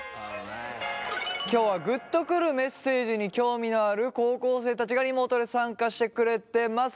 今日はグッとくるメッセージに興味のある高校生たちがリモートで参加してくれてます。